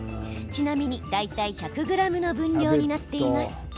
ちなみに大体１００ｇの分量になっています。